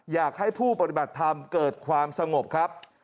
อยากให้ผู้ปฏิบัติธรรมเกิดความสงบครับ